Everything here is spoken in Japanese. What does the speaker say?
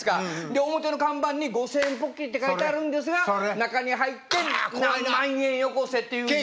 で表の看板に「５，０００円ポッキリ」って書いてあるんですが中に入って何万円よこせっていう。